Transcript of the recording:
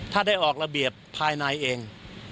ถ้าได้ออกระเบียบภายในเอง